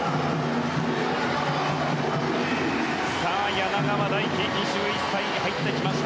柳川大樹、２１歳が入ってきました。